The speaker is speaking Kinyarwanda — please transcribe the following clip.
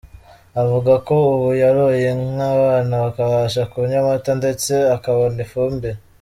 Avuga ko ubu yoroye inka abana bakabasha kunywa amata, ndetse akabona ifumbire.